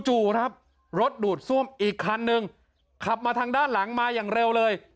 จู่ครับรถดูดซ่วมอีกคันหนึ่งขับมาทางด้านหลังมาอย่างเร็วเลย